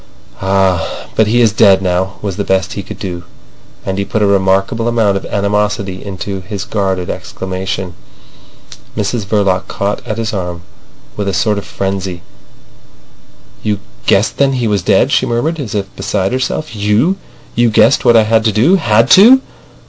"Ah, but he is dead now," was the best he could do. And he put a remarkable amount of animosity into his guarded exclamation. Mrs Verloc caught at his arm with a sort of frenzy. "You guessed then he was dead," she murmured, as if beside herself. "You! You guessed what I had to do. Had to!"